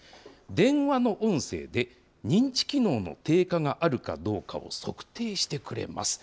電話の音声で認知機能の低下があるかどうかを測定してくれます。